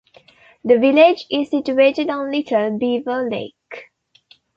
The village is situated on Little Beaver Lake.